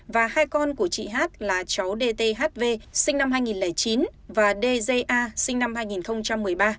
và hai con của chị h là cháu d t h v sinh năm hai nghìn chín và d j a sinh năm hai nghìn một mươi ba